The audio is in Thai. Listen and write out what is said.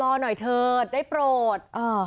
รอหน่อยเถิดได้โปรด